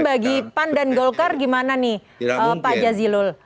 bagi pan dan golkar gimana nih pak jazilul